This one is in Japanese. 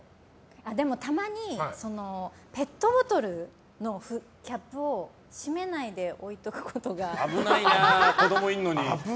でも、たまにペットボトルのキャップを閉めないで危ないな、子供いるのに。